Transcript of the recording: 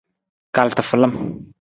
Kal tafalam.